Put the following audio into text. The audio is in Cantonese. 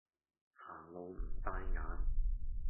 行路唔帶眼